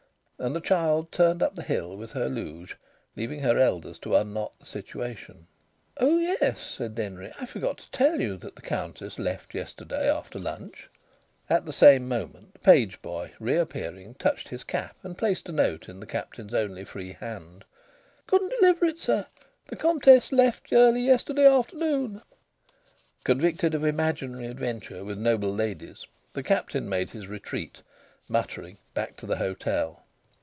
And the child turned up the hill with her luge, leaving her elders to unknot the situation. "Oh, yes!" said Denry. "I forgot to tell you that the Countess left yesterday after lunch." At the same moment the page boy, reappearing, touched his cap and placed a note in the Captain's only free hand. "Couldn't deliver it, sir. The Comtesse left early yesterday afternoon." Convicted of imaginary adventure with noble ladies, the Captain made his retreat, muttering, back to the hotel.